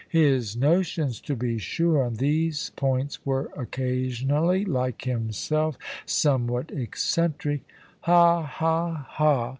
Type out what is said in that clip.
His notions, to be sure, on these points, were occasionally like himself, somewhat eccentric; ha! ha! ha!